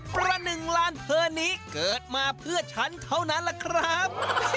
ประหนึ่งล้านเธอนี้เกิดมาเพื่อฉันเท่านั้นแหละครับ